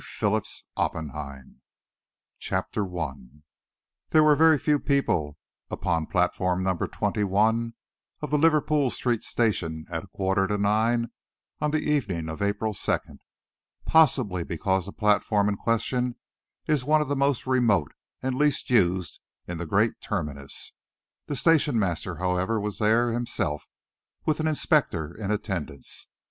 Phillips Oppenheim CHAPTER I There were very few people upon Platform Number Twenty one of Liverpool Street Station at a quarter to nine on the evening of April 2 possibly because the platform in question is one of the most remote and least used in the great terminus. The station master, however, was there himself, with an inspector in attendance.